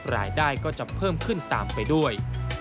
รายได้ก็จะเพิ่มขึ้นตามไปด้วย